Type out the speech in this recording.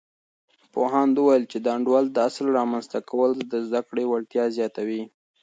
پوهاند وویل، چې د انډول د اصل رامنځته کول د زده کړې وړتیا زیاتوي.